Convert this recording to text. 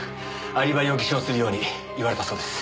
アリバイを偽証するように言われたそうです。